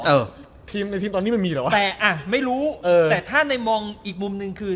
เออทีมในทีมตอนนี้มันมีเหรอวะแต่อ่ะไม่รู้เออแต่ถ้าในมองอีกมุมหนึ่งคือ